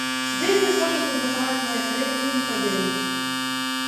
Вельмі хочацца захаваць мае калекцыі непадзельнымі.